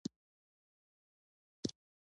د لیکوال هویت قلم دی.